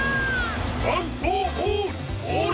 ワンフォーオール！